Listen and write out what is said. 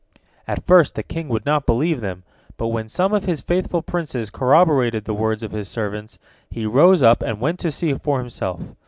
" At first the king would not believe them, but when some of his faithful princes corroborated the words of his servants, he rose up and went to see for himself.